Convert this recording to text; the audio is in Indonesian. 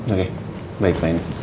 oke baik pak